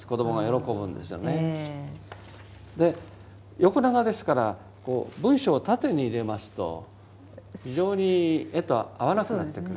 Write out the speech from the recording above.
横長ですから文章を縦に入れますと非常に絵と合わなくなってくる。